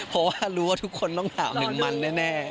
เพราะว่ารู้ว่าทุกคนต้องถามถึงมันแน่